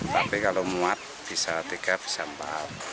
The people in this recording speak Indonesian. tapi kalau muat bisa tiga bisa empat